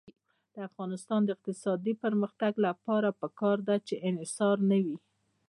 د افغانستان د اقتصادي پرمختګ لپاره پکار ده چې انحصار نه وي.